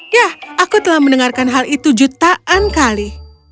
ya aku telah mendengarkan hal itu jutaan kali